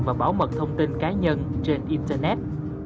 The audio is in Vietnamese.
và bảo mật thông tin cá nhân trên internet